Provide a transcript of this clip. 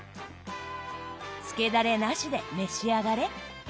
つけだれなしで召し上がれ。